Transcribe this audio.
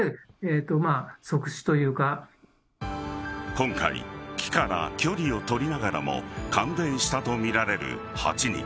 今回木から距離を取りながらも感電したとみられる８人。